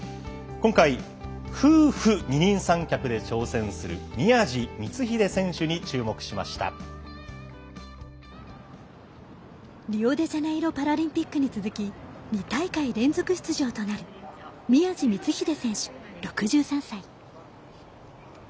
今回は夫婦二人三脚で挑戦するリオデジャネイロパラリンピックに続き２大会連続出場となる宮路満英、選手６３歳。